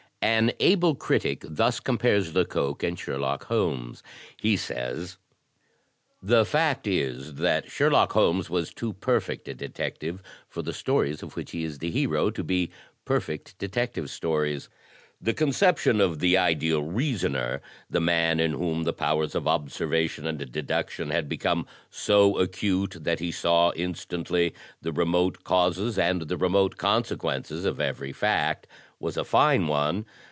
An able critic thus compares Lecoq and Sherlock Holmes. He says: "The fact is that Sherlock Holmes was too perfect a detective for the stories of which he is the hero to be perfect detective stories. The conception of the ideal reasoner, the man in whom the powers of observation and deduction had become so acute that he saw instantly the remote causes and the remote consequences of every fact, was a fine one.